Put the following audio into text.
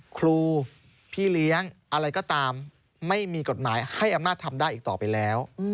ครูพี่เลี้ยงอะไรก็ตามไม่มีกฎหมายให้อำนาจทำได้อีกต่อไปแล้ว